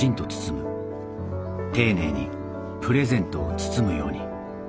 丁寧にプレゼントを包むように。